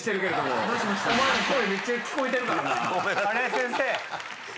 先生。